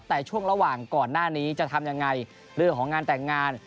แต่ช่วงระหว่างก่อนหน้านี้จะทำยังไงเรื่องของงานแต่งงาน